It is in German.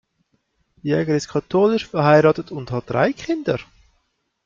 Jäger ist katholisch, verheiratet und hat drei Kinder.